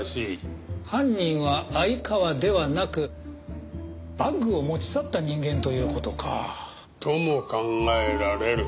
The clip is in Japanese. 犯人は相川ではなくバッグを持ち去った人間という事か。とも考えられる。